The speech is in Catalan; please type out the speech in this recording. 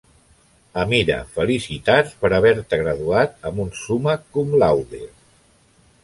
"Amira, felicitats per haver-te graduat am un summa cum laude".